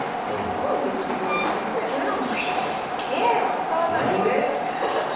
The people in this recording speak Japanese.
思うんですけど３つ目これなんですよ。